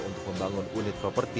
untuk membangun unit properti